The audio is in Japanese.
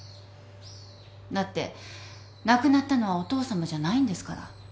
だって亡くなったのはお父さまじゃないんですから。